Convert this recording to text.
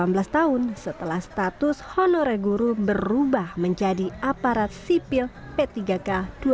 selama delapan belas tahun setelah status honorer guru berubah menjadi aparat sipil p tiga k dua ribu dua puluh satu